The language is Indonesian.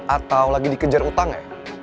atau lagi dikejar utang ya